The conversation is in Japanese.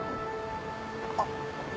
あっ。